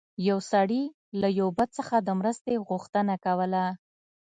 یو سړي له یو بت څخه د مرستې غوښتنه کوله.